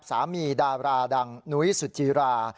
สามีดาราดังหนุ้ยสุจรา